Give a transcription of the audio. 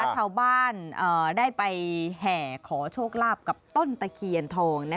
ชาวบ้านได้ไปแห่ขอโชคลาภกับต้นตะเคียนทอง